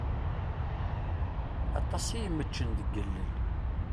Aṭas i yemeččen deg ilel.